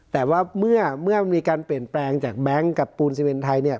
แต่ว่าเมื่อมีการเปลี่ยนแปลงจากแบงค์กับปูนซีเมนไทยเนี่ย